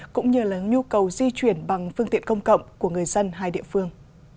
cũng như là nhu cầu di chuyển bằng phương tiện công cộng của người dân hai địa phương